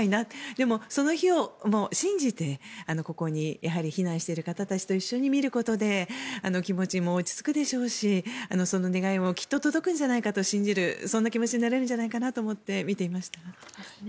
でも、その日を信じてここに避難している方たちと一緒に見ることで気持ちも落ち着くでしょうしその願いもきっと届くんじゃないかと信じるそんな気持ちになれるのではと思って見ていました。